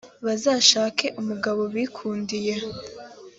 bazashake umugabo bikundiye